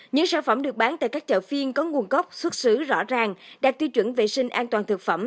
những sản phẩm được bán tại các chợ phiên có nguồn gốc xuất xứ rõ ràng đạt tiêu chuẩn vệ sinh an toàn thực phẩm